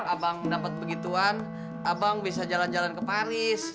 abang dapat begituan abang bisa jalan jalan ke paris